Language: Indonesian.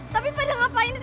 tapi pada ngapain sih di sini